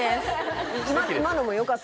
今のもよかった？